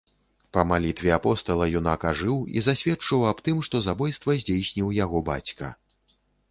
Па малітве апостала юнак ажыў і засведчыў аб тым, што забойства здзейсніў яго бацька.